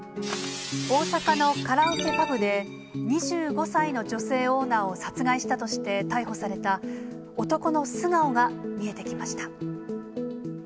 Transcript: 大阪のカラオケパブで２５歳の女性オーナーを殺害したとして逮捕された男の素顔が見えてきました。